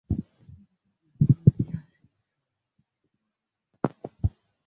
তিনি যুদ্ধের পুরো ইতিহাসে সর্বাধিক পদকে সজ্জিত নারী যোদ্ধা।